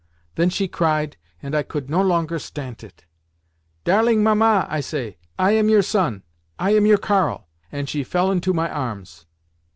Then she cried, and I coult no longer stant it. 'Darling Mamma!' I say, 'I am your son, I am your Karl!'—and she fell into my arms."